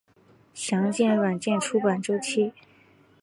详见软件出版周期。